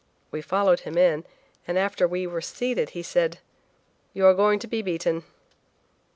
We followed him in, and after we were seated he said: "You are going to be beaten."